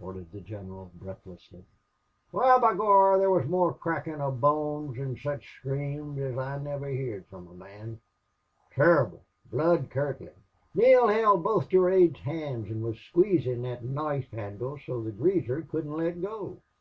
ordered the general, breathlessly. "Wal, b'gorra, there wuz more crackin' of bones, an' sich screams as I niver heerd from a mon. Tumble, blood curdlin'!... Neale held both Durade's hands an' wuz squeezin' thot knife handle so the greaser couldn't let go.